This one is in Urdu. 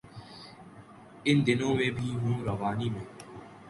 ان دنوں میں بھی ہوں روانی میں